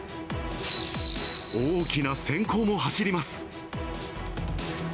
大きなせん光も走ります。